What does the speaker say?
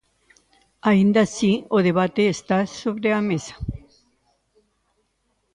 Aínda así, o debate está sobre a mesa.